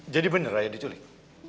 jadi bener raya diculik